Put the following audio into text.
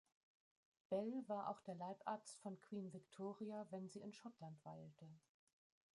Bell war auch der Leibarzt von Queen Victoria, wenn sie in Schottland weilte.